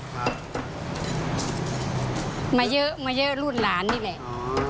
มาเยอะมาเยอะรุ่นหลานนี่แหละ